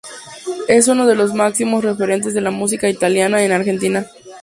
Es uno de los máximos referentes de la música italiana en la Argentina.